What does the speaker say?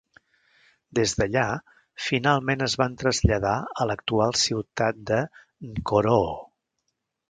Des d'allà, finalment es van traslladar a l'actual ciutat de Nkoroo.